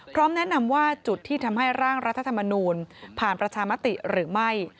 พร้อมแนะนำว่าจุดที่ทำให้ร่างรัฐธรรมนูลผ่านประชามติหรือไม่